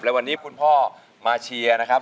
และวันนี้คุณพ่อมาเชียร์นะครับ